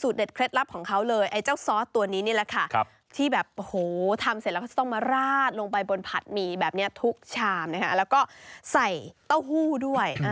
สูตรเด็ดเคล็ดลับของเขาเลยไอ้เจ้าซอสตัวนี้นี่แหละค่ะที่แบบโอ้โหทำเสร็จแล้วเขาจะต้องมาราดลงไปบนผัดหมี่แบบนี้ทุกชามนะคะแล้วก็ใส่เต้าหู้ด้วย